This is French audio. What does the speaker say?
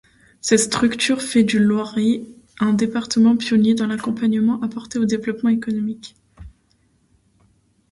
Cette structure fait du Loiret un département pionnier dans I'accompagnement apporté au développement économique.